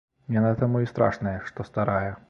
Яна таму і страшная, што старая.